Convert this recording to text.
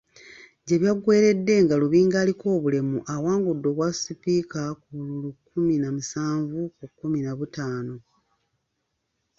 Gye byaggweeredde nga Lubinga aliko obulemu awangudde obwasipiika ku bululu kkumi na musanvu ku kkumi na butaano.